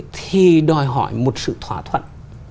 thì đòi hỏi một sự thỏa thuận